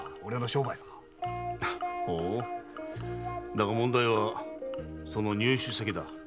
だが問題はその入手先だ。